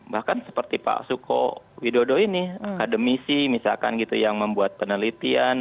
bahkan seperti pak suko widodo ini akademisi misalkan gitu yang membuat penelitian